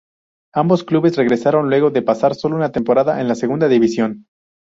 Ambos clubes regresaron luego de pasar solo una temporada en la segunda división.